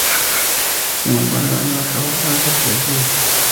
Sin embargo, el embajador ha desaparecido.